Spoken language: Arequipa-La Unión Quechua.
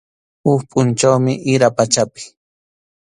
Huk pʼunchawmi ira pachapi.